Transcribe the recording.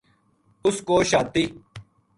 اس کو شہادتی